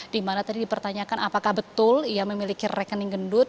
dimana tadi dipertanyakan apakah betul ia memiliki rekening gendut